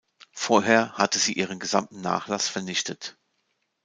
Vorher hatte sie ihren gesamten Nachlass vernichtet.